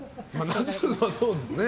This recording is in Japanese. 夏はそうですね。